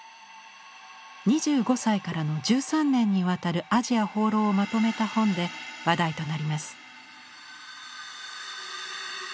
２５歳からの１３年にわたるアジア放浪をまとめた本で話題となります。